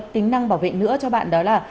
tính năng bảo vệ nữa cho bạn đó là